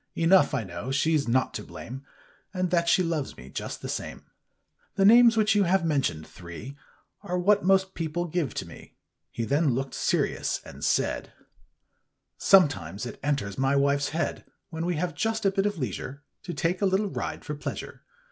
Enough, I know she's not to blame. And that she loves me just the same." Copyrighted, 1897 I HE names which you have mentioned, three, what most people give to me." then looked serious and said :— 1897. Copyrighted, Xf^OMETIMES it enters my wife's head, When we have just a bit of leisure, To take a little ride for pleasure.